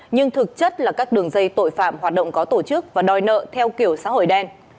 nhưng thực chất là các đường dây tội phạm hoạt động có tổ chức và đòi nợ theo kiểu xã hội đen